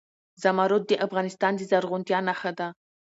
زمرد د افغانستان د زرغونتیا نښه ده.